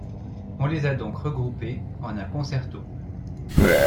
On les a donc regroupés en un concerto.